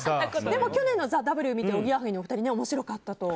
でも去年の「ＴＨＥＷ」を見ておぎやはぎのお二人面白かったと。